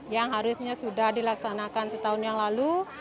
yang harusnya sudah dilaksanakan setahun yang lalu